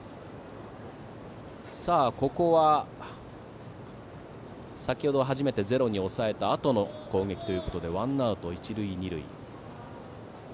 ここは先程、初めてゼロに抑えたあとの攻撃でワンアウト、一塁二塁。